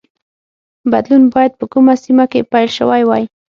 بدلون باید په کومه سیمه کې پیل شوی وای.